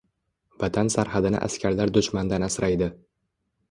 Vatan sarhadini askarlar dushmandan asraydi